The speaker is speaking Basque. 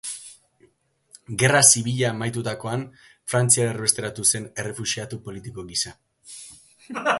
Gerra Zibila amaitutakoan Frantziara erbesteratu zen, errefuxiatu politiko gisa.